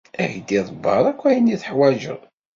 Ad k-d-iḍebber akk ayen teḥwaǧeḍ.